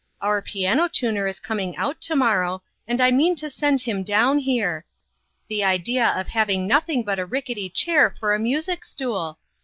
Our piano tuner is coming out to morrow, and I mean to send him down here. The idea of having nothing but a rickety chair for a music stool